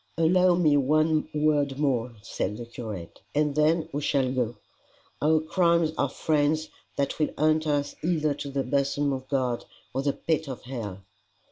"Allow me one word more," said the curate, "and then we shall go: Our crimes are friends that will hunt us either to the bosom of God, or the pit of hell."